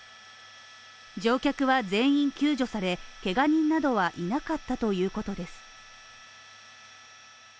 乗客は全員救助され、けが人などはいなかったということです。